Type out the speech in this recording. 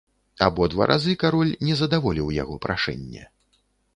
Абодва разы кароль не задаволіў яго прашэнне.